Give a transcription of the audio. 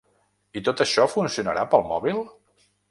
I tot això funcionarà pel mòbil?